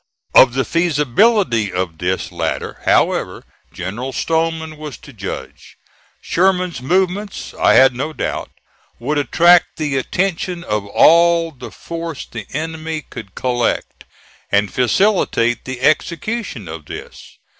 Of the feasibility of this latter, however, General Stoneman was to judge. Sherman's movements, I had no doubt, would attract the attention of all the force the enemy could collect, and facilitate the execution of this.